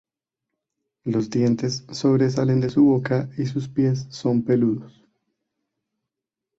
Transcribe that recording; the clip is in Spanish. Los dientes sobresalen de su boca, y sus pies son peludos.